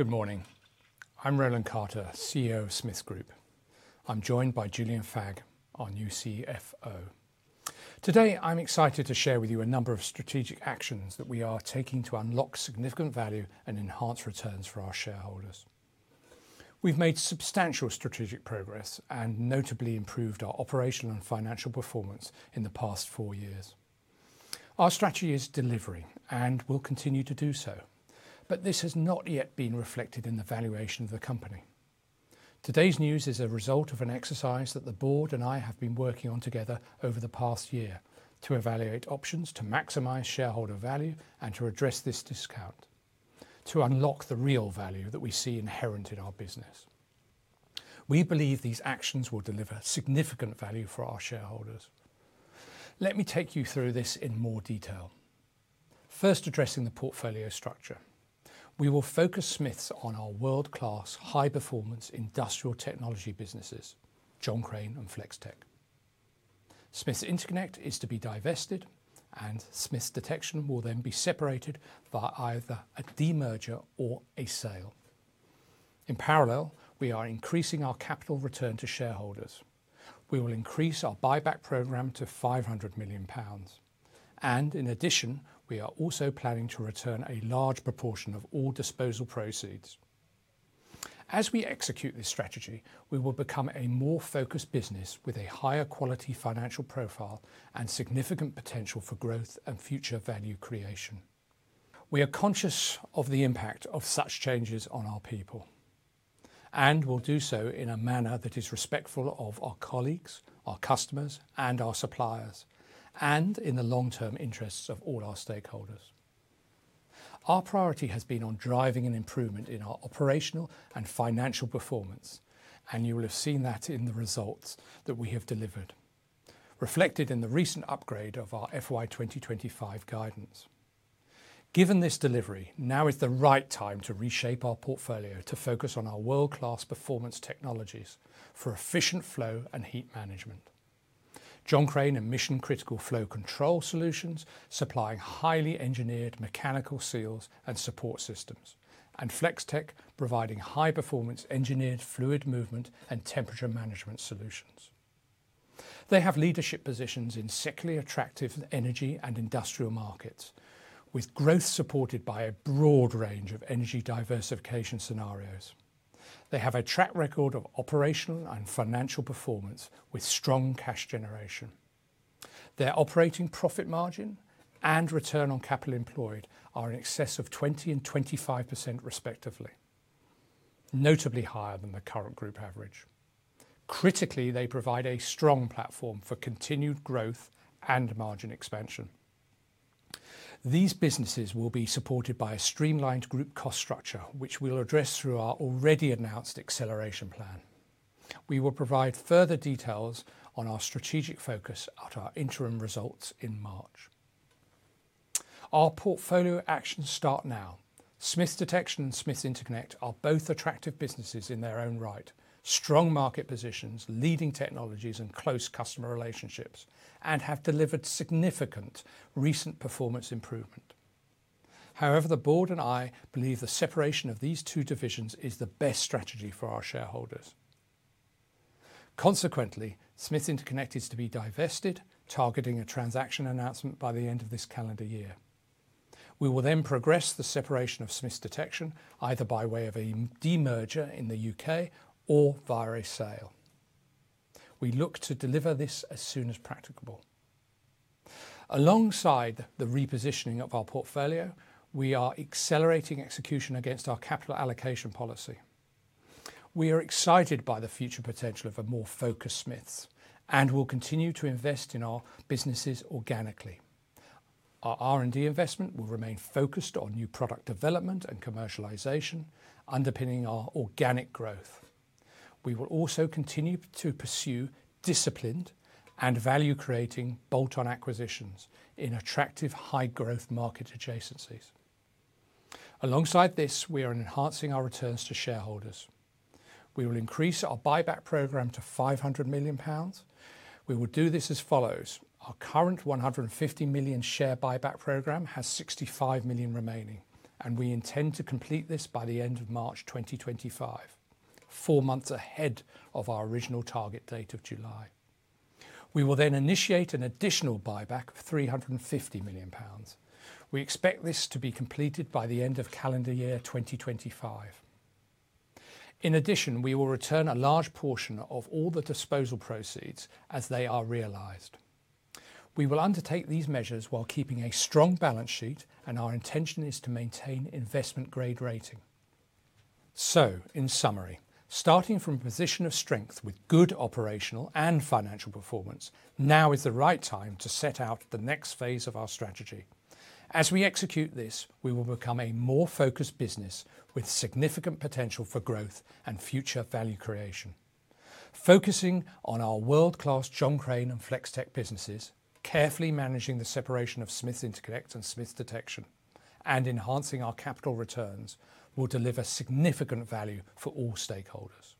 Good morning. I'm Roland Carter, CEO of Smiths Group. I'm joined by Julian Fagge, our new CFO. Today, I'm excited to share with you a number of strategic actions that we are taking to unlock significant value and enhance returns for our shareholders. We've made substantial strategic progress and notably improved our operational and financial performance in the past four years. Our strategy is delivery, and we'll continue to do so, but this has not yet been reflected in the valuation of the company. Today's news is a result of an exercise that the board and I have been working on together over the past year to evaluate options to maximize shareholder value and to address this discount, to unlock the real value that we see inherent in our business. We believe these actions will deliver significant value for our shareholders. Let me take you through this in more detail. First, addressing the portfolio structure. We will focus Smiths on our world-class, high-performance industrial technology businesses, John Crane and Flex-Tek. Smiths Interconnect is to be divested, and Smiths Detection will then be separated by either a demerger or a sale. In parallel, we are increasing our capital return to shareholders. We will increase our buyback program to £ 500 million. And in addition, we are also planning to return a large proportion of all disposal proceeds. As we execute this strategy, we will become a more focused business with a higher quality financial profile and significant potential for growth and future value creation. We are conscious of the impact of such changes on our people, and we'll do so in a manner that is respectful of our colleagues, our customers, and our suppliers, and in the long-term interests of all our stakeholders. Our priority has been on driving an improvement in our operational and financial performance, and you will have seen that in the results that we have delivered, reflected in the recent upgrade of our FY 2025 guidance. Given this delivery, now is the right time to reshape our portfolio to focus on our world-class performance technologies for efficient flow and heat management. John Crane and mission critical flow control solutions supply highly engineered mechanical seals and support systems, and Flex-Tek providing high-performance engineered fluid movement and temperature management solutions. They have leadership positions in secularly attractive energy and industrial markets, with growth supported by a broad range of energy diversification scenarios. They have a track record of operational and financial performance with strong cash generation. Their operating profit margin and return on capital employed are in excess of 20% and 25%, respectively, notably higher than the current group average. Critically, they provide a strong platform for continued growth and margin expansion. These businesses will be supported by a streamlined group cost structure, which we'll address through our already announced acceleration plan. We will provide further details on our strategic focus at our interim results in March. Our portfolio actions start now. Smiths Detection and Smiths Interconnect are both attractive businesses in their own right, strong market positions, leading technologies, and close customer relationships, and have delivered significant recent performance improvement. However, the board and I believe the separation of these two divisions is the best strategy for our shareholders. Consequently, Smiths Interconnect is to be divested, targeting a transaction announcement by the end of this calendar year. We will then progress the separation of Smiths Detection, either by way of a demerger in the UK or via a sale. We look to deliver this as soon as practicable. Alongside the repositioning of our portfolio, we are accelerating execution against our capital allocation policy. We are excited by the future potential of a more focused Smiths and will continue to invest in our businesses organically. Our R&D investment will remain focused on new product development and commercialization, underpinning our organic growth. We will also continue to pursue disciplined and value-creating bolt-on acquisitions in attractive high-growth market adjacencies. Alongside this, we are enhancing our returns to shareholders. We will increase our buyback program to £ 500 million. We will do this as follows. Our current £ 150 million share buyback program has £ 65 million remaining, and we intend to complete this by the end of March 2025, four months ahead of our original target date of July. We will then initiate an additional buyback of £ 350 million. We expect this to be completed by the end of calendar year 2025. In addition, we will return a large portion of all the disposal proceeds as they are realized. We will undertake these measures while keeping a strong balance sheet, and our intention is to maintain investment-grade rating. So, in summary, starting from a position of strength with good operational and financial performance, now is the right time to set out the next phase of our strategy. As we execute this, we will become a more focused business with significant potential for growth and future value creation. Focusing on our world-class John Crane and Flex-Tek businesses, carefully managing the separation of Smiths Interconnect and Smiths Detection, and enhancing our capital returns will deliver significant value for all stakeholders.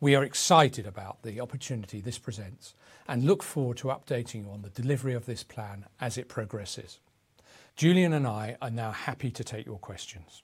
We are excited about the opportunity this presents and look forward to updating you on the delivery of this plan as it progresses. Julian and I are now happy to take your questions.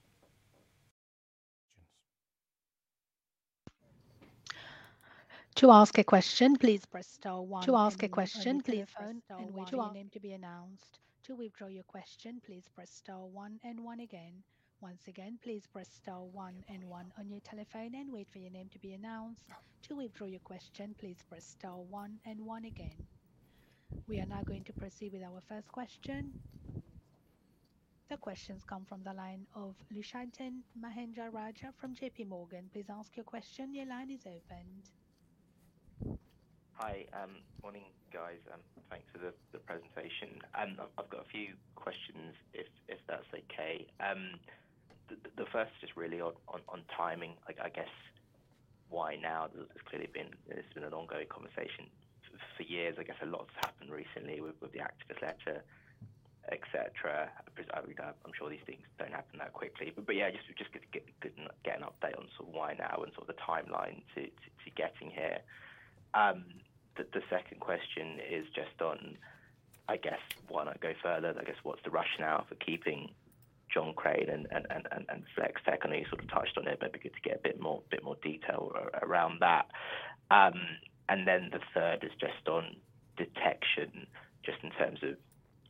To ask a question, please press star one. To ask a question, please press star one and wait for your name to be announced. To withdraw your question, please press star one and one again. Once again, please press star one and one on your telephone and wait for your name to be announced. To withdraw your question, please press star one and one again. We are now going to proceed with our first question. The question comes from the line of Lushanthan Mahendrarajah from J.P. Morgan. Please ask your question. Your line is open. Hi. Morning, guys. Thanks for the presentation. I've got a few questions, if that's okay. The first is really on timing. I guess why now? It's clearly been an ongoing conversation for years. I guess a lot has happened recently with the activist letter, etc. I'm sure these things don't happen that quickly. But yeah, just getting an update on sort of why now and sort of the timeline to getting here. The second question is just on, I guess, why not go further? I guess what's the rationale for keeping John Crane and Flex-Tek? I know you sort of touched on it, but it'd be good to get a bit more detail around that. And then the third is just on Detection, just in terms of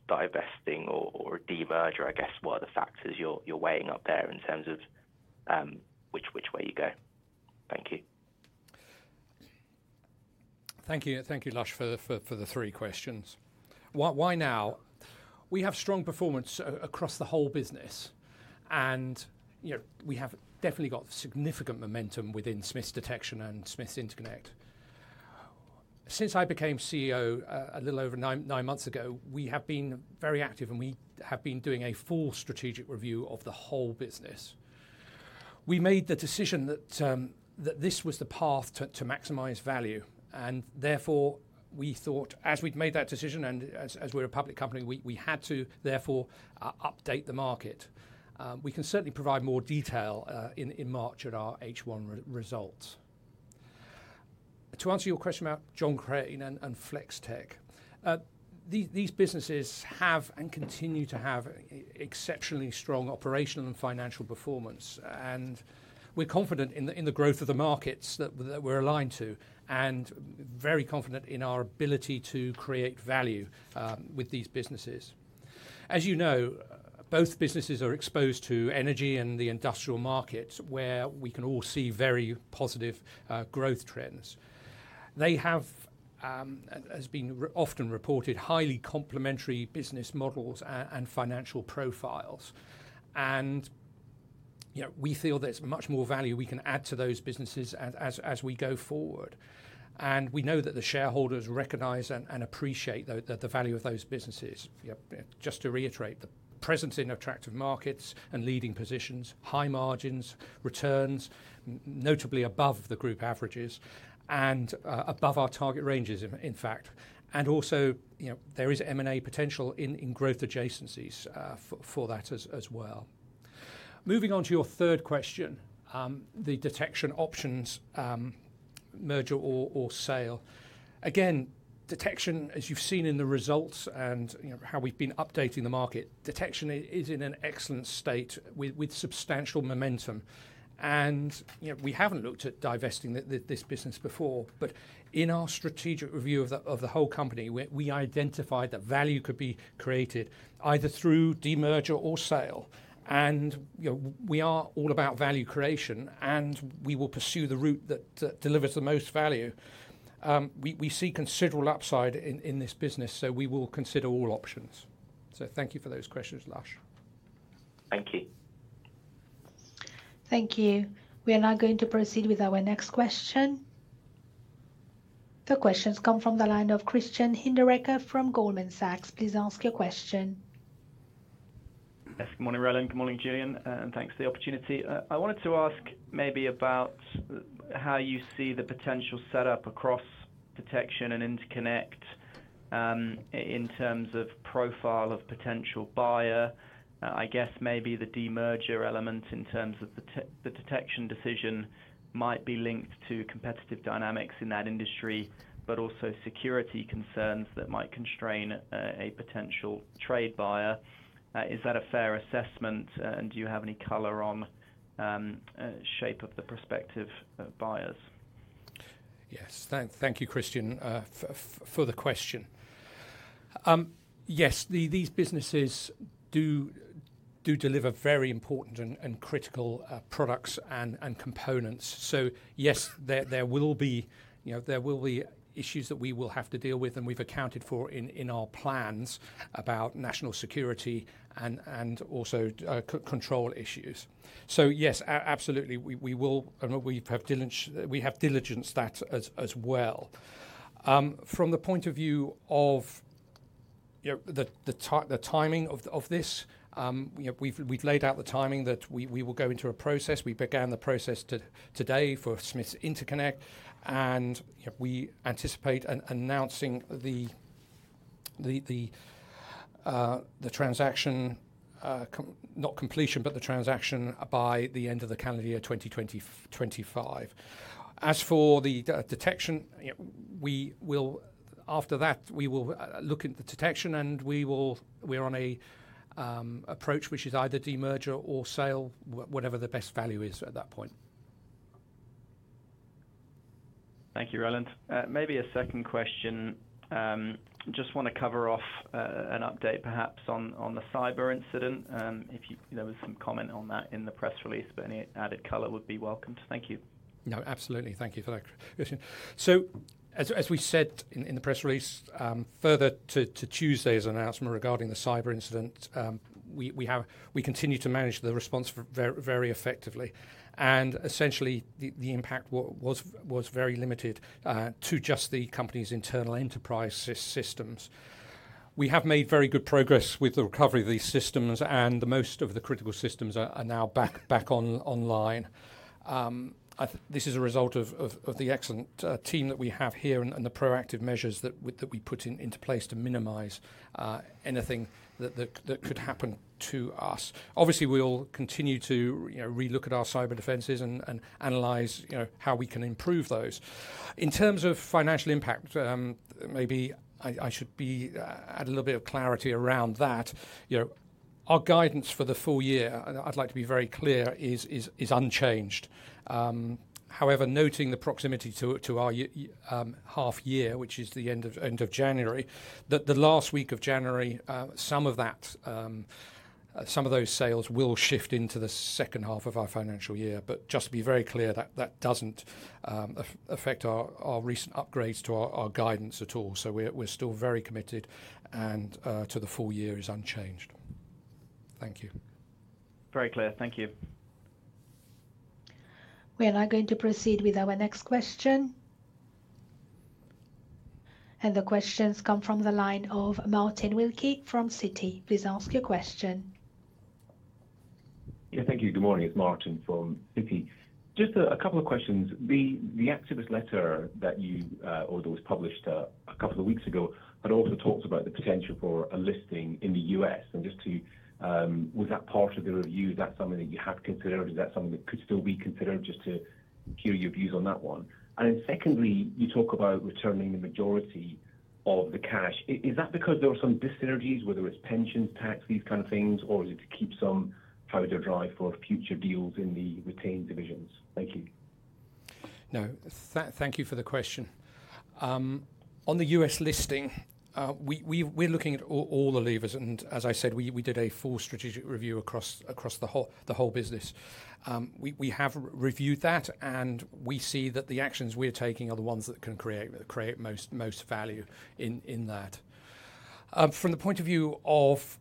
divesting or demerger. I guess what are the factors you're weighing up there in terms of which way you go? Thank you. Thank you, Lush, for the three questions. Why now? We have strong performance across the whole business, and we have definitely got significant momentum within Smiths Detection and Smiths Interconnect. Since I became CEO a little over nine months ago, we have been very active, and we have been doing a full strategic review of the whole business. We made the decision that this was the path to maximize value, and therefore we thought, as we'd made that decision and as we're a public company, we had to, therefore, update the market. We can certainly provide more detail in March at our H1 results. To answer your question about John Crane and Flex-Tek, these businesses have and continue to have exceptionally strong operational and financial performance, and we're confident in the growth of the markets that we're aligned to and very confident in our ability to create value with these businesses. As you know, both businesses are exposed to energy and the industrial markets, where we can all see very positive growth trends. They have, as has been often reported, highly complementary business models and financial profiles, and we feel there's much more value we can add to those businesses as we go forward. And we know that the shareholders recognize and appreciate the value of those businesses. Just to reiterate, the presence in attractive markets and leading positions, high margins, returns notably above the group averages and above our target ranges, in fact. And also, there is M&A potential in growth adjacencies for that as well. Moving on to your third question, the Detection options, demerger or sale. Again, Detection, as you've seen in the results and how we've been updating the market, Detection is in an excellent state with substantial momentum. And we haven't looked at divesting this business before, but in our strategic review of the whole company, we identified that value could be created either through demerger or sale. And we are all about value creation, and we will pursue the route that delivers the most value. We see considerable upside in this business, so we will consider all options. So thank you for those questions, Lush. Thank you. Thank you. We are now going to proceed with our next question. The questions come from the line of Christian Hinderaker from Goldman Sachs. Please ask your question. Yes. Good morning, Roland. Good morning, Julian. And thanks for the opportunity. I wanted to ask maybe about how you see the potential setup across Detection and Interconnect in terms of profile of potential buyer. I guess maybe the demerger element in terms of the Detection decision might be linked to competitive dynamics in that industry, but also security concerns that might constrain a potential trade buyer. Is that a fair assessment, and do you have any color on shape of the prospective buyers? Yes. Thank you, Christian, for the question. Yes, these businesses do deliver very important and critical products and components. So yes, there will be issues that we will have to deal with, and we've accounted for in our plans about national security and also control issues. So yes, absolutely, we have diligence that as well. From the point of view of the timing of this, we've laid out the timing that we will go into a process. We began the process today for Smiths Interconnect, and we anticipate announcing the transaction, not completion, but the transaction by the end of the calendar year 2025. As for the Detection, after that, we will look at the Detection, and we are on an approach which is either demerger or sale, whatever the best value is at that point. Thank you, Roland. Maybe a second question. Just want to cover off an update, perhaps, on the cyber incident. If there was some comment on that in the press release, any added color would be welcomed. Thank you. No, absolutely. Thank you for that question. So as we said in the press release, further to Tuesday's announcement regarding the cyber incident, we continue to manage the response very effectively. And essentially, the impact was very limited to just the company's internal enterprise systems. We have made very good progress with the recovery of these systems, and most of the critical systems are now back online. This is a result of the excellent team that we have here and the proactive measures that we put into place to minimize anything that could happen to us. Obviously, we'll continue to relook at our cyber defenses and analyze how we can improve those. In terms of financial impact, maybe I should add a little bit of clarity around that. Our guidance for the full year, I'd like to be very clear, is unchanged. However, noting the proximity to our half-year, which is the end of January, that the last week of January, some of those sales will shift into the second half of our financial year. But just to be very clear, that doesn't affect our recent upgrades to our guidance at all. So we're still very committed, and to the full year is unchanged. Thank you. Very clear. Thank you. We are now going to proceed with our next question, and the questions come from the line of Martin Wilkie from Citi. Please ask your question. Yeah, thank you. Good morning. It's Martin from Citi. Just a couple of questions. The activist letter that you or that was published a couple of weeks ago had also talked about the potential for a listing in the U.S. And just to, was that part of the review? Is that something that you have considered? Is that something that could still be considered? Just to hear your views on that one. And then secondly, you talk about returning the majority of the cash. Is that because there were some dynamics, whether it's pensions, taxes, kind of things, or is it to keep some powder dry for future deals in the retained divisions? Thank you. No, thank you for the question. On the U.S. listing, we're looking at all the levers. And as I said, we did a full strategic review across the whole business. We have reviewed that, and we see that the actions we're taking are the ones that can create most value in that. From the point of view of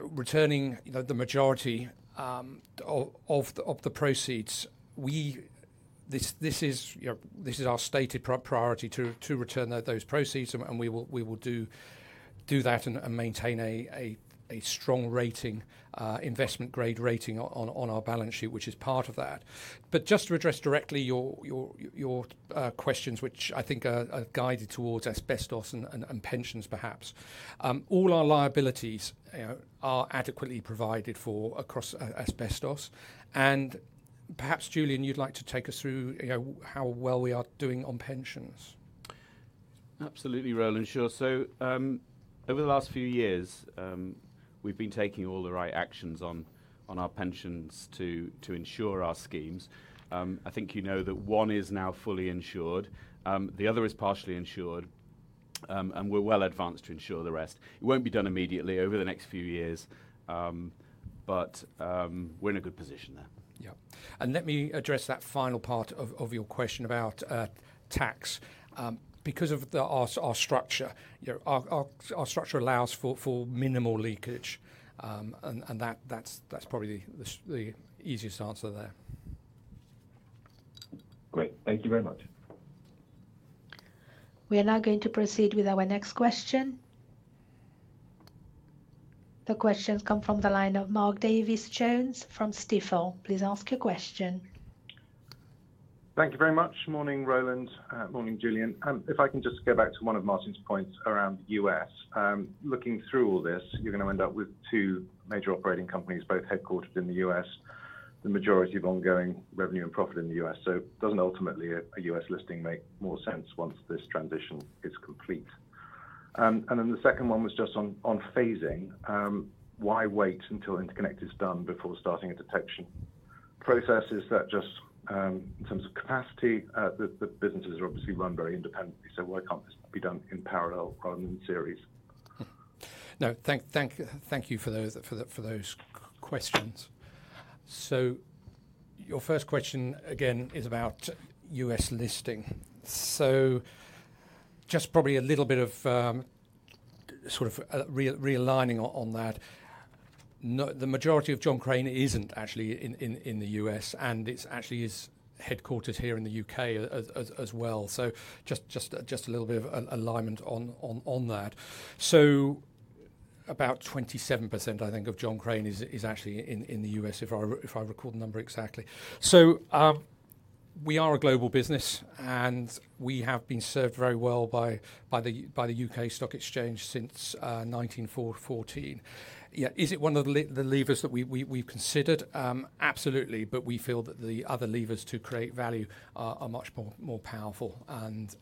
returning the majority of the proceeds, this is our stated priority to return those proceeds, and we will do that and maintain a strong rating, investment-grade rating on our balance sheet, which is part of that. But just to address directly your questions, which I think are guided towards asbestos and pensions, perhaps, all our liabilities are adequately provided across asbestos. And perhaps, Julian, you'd like to take us through how well we are doing on pensions. Absolutely, Roland. Sure. So over the last few years, we've been taking all the right actions on our pensions to insure our schemes. I think you know that one is now fully insured. The other is partially insured, and we're well advanced to insure the rest. It won't be done immediately over the next few years, but we're in a good position there. Yep. And let me address that final part of your question about tax. Because of our structure, our structure allows for minimal leakage, and that's probably the easiest answer there. Great. Thank you very much. We are now going to proceed with our next question. The questions come from the line of Mark Davies Jones from Stifel. Please ask your question. Thank you very much. Morning, Roland. Morning, Julian. If I can just go back to one of Martin's points around the U.S., looking through all this, you're going to end up with two major operating companies, both headquartered in the U.S., the majority of ongoing revenue and profit in the U.S. So doesn't ultimately a U.S. listing make more sense once this transition is complete? And then the second one was just on phasing. Why wait until Interconnect is done before starting a Detection process? Is that just in terms of capacity? The businesses are obviously run very independently, so why can't this be done in parallel rather than in series? No, thank you for those questions. So your first question, again, is about U.S. listing. So just probably a little bit of sort of realigning on that. The majority of John Crane isn't actually in the U.S., and it actually is headquartered here in the U.K. as well. So just a little bit of alignment on that. So about 27%, I think, of John Crane is actually in the U.S., if I recall the number exactly. So we are a global business, and we have been served very well by the U.K. Stock Exchange since 1914. Is it one of the levers that we've considered? Absolutely, but we feel that the other levers to create value are much more powerful. And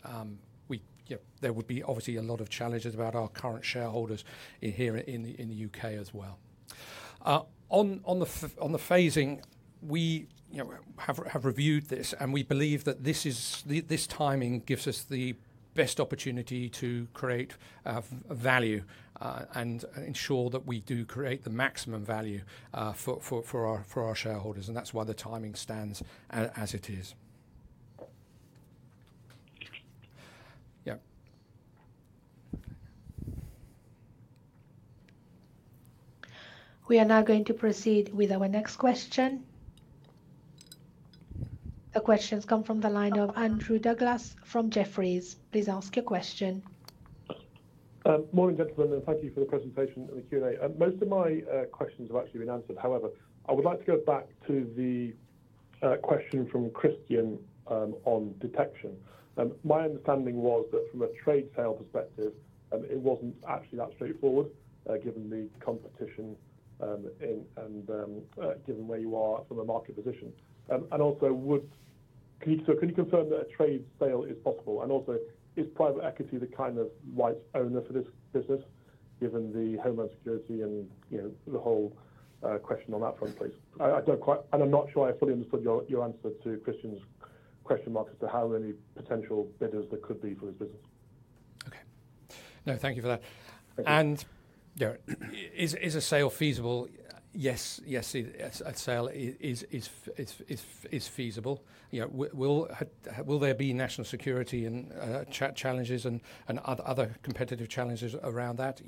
there would be obviously a lot of challenges about our current shareholders here in the U.K. as well. On the phasing, we have reviewed this, and we believe that this timing gives us the best opportunity to create value and ensure that we do create the maximum value for our shareholders. And that's why the timing stands as it is. Yep. We are now going to proceed with our next question. The questions come from the line of Andrew Douglas from Jefferies. Please ask your question. Morning, gentlemen, and thank you for the presentation and the Q&A. Most of my questions have actually been answered. However, I would like to go back to the question from Christian on Detection. My understanding was that from a trade sale perspective, it wasn't actually that straightforward, given the competition and given where you are from a market position. And also, can you confirm that a trade sale is possible? And also, is private equity the kind of right owner for this business, given the homeland security and the whole question on that front, please? And I'm not sure I fully understood your answer to Christian's question marks as to how many potential bidders there could be for this business. Okay. No, thank you for that. And is a sale feasible? Yes, a sale is feasible. Will there be national security challenges and other competitive challenges around that?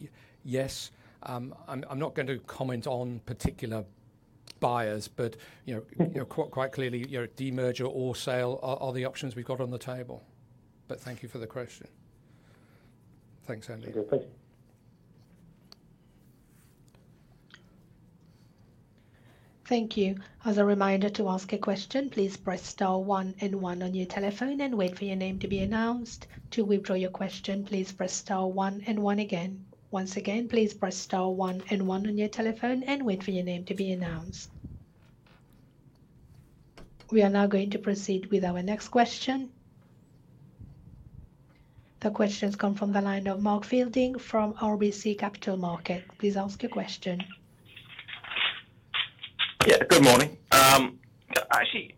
Yes. I'm not going to comment on particular buyers, but quite clearly, demerger or sale are the options we've got on the table. But thank you for the question. Thanks, Andrew. Thank you. Thank you. As a reminder to ask a question, please press star one and one on your telephone and wait for your name to be announced. To withdraw your question, please press star one and one again. Once again, please press star one and one on your telephone and wait for your name to be announced. We are now going to proceed with our next question. The questions come from the line of Mark Fielding from RBC Capital Markets. Please ask your question. Yeah, good morning. Actually,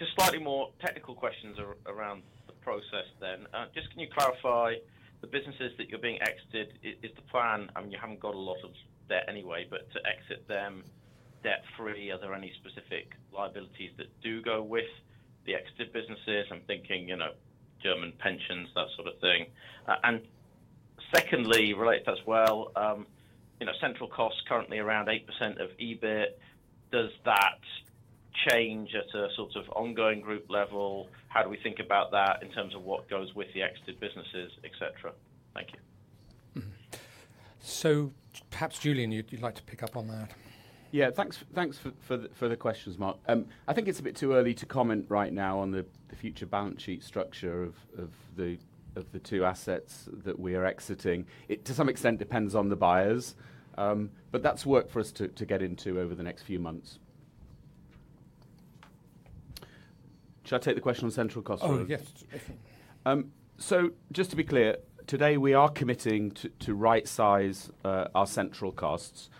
just slightly more technical questions around the process then. Just can you clarify the businesses that are being exited? Is the plan, I mean, you haven't got a lot of debt anyway, but to exit them debt-free, are there any specific liabilities that do go with the exited businesses? I'm thinking German pensions, that sort of thing. And secondly, related to that as well, central costs currently around 8% of EBIT. Does that change at a sort of ongoing group level? How do we think about that in terms of what goes with the exited businesses, etc.? Thank you. Perhaps Julian, you'd like to pick up on that. Yeah, thanks for the questions, Mark. I think it's a bit too early to comment right now on the future balance sheet structure of the two assets that we are exiting. To some extent, it depends on the buyers, but that's work for us to get into over the next few months. Should I take the question on central costs first? Oh, yes. So just to be clear, today we are committing to right-size our central costs.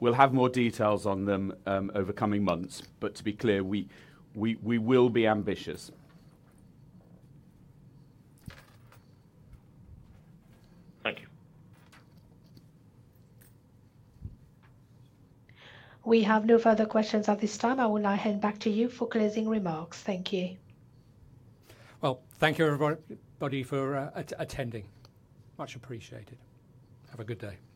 We'll have more details on them over coming months, but to be clear, we will be ambitious. Thank you. We have no further questions at this time. I will now hand back to you for closing remarks. Thank you. Thank you, everybody, for attending. Much appreciated. Have a good day.